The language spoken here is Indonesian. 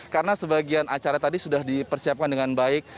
karena sebagian acara tadi sudah dipersiapkan dengan baik